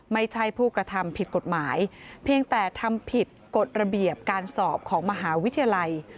ไม่ใช่ผู้กระทำผิดกฎหมายเพียงแต่ทำผิดกฎระเบียบการสอบของมหาวิทยาลัย